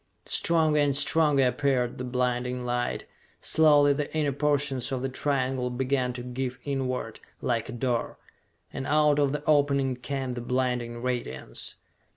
Stronger and stronger appeared the blinding light. Slowly the inner portion of the triangle began to give inward, like a door. And out of the opening came that blinding radiance.